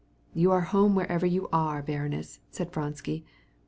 "You're home, wherever you are, baroness," said Vronsky.